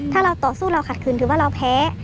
ถ้าเราต่อสู้เราขัดคืนถือว่าเราแพ้